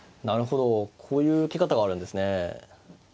こういう受け方があるんですね。